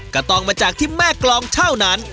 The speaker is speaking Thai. ก็ต้องมาจากที่แม่กรองเท่านั้น